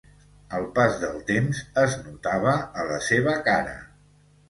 El pas del temps es notava a la seva cara